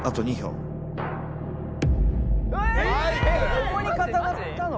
そこに固まったの？